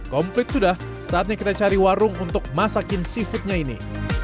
komplit sudah saatnya kita cari warung untuk masakin seafoodnya ini